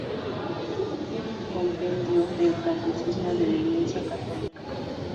Compendio del Catecismo de la Iglesia Católica